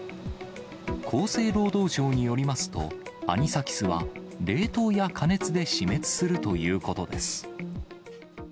厚生労働省によりますと、アニサキスは冷凍や加熱で死滅するということです。